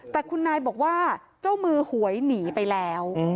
แต่คุณนายบอกว่าเจ้ามือหวยหนีไปแล้ว